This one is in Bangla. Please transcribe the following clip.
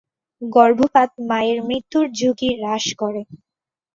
গর্ভপাত মায়ের মৃত্যুর ঝুঁকি হ্রাস করে।